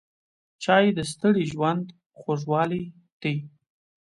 چای د ستړي ژوند خوږوالی دی.